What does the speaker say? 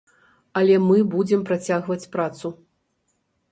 А мы будзем працягваць працу.